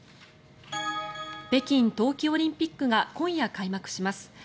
北京冬季オリンピックが今夜開幕します。